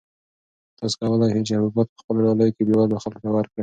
تاسو کولای شئ چې حبوبات په خپلو ډالیو کې بېوزلو خلکو ته ورکړئ.